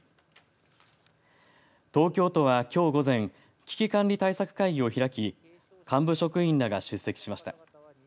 東京都は、きょう午前危機管理対策会議を開き幹部職員らが出席しました。